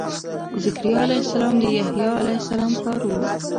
ذکریا علیه السلام د یحیا علیه السلام پلار و.